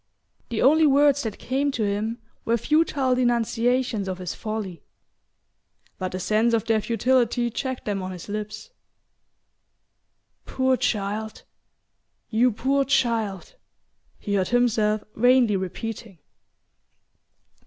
The only words that came to him were futile denunciations of his folly; but the sense of their futility checked them on his lips. "Poor child you poor child!" he heard himself vainly repeating.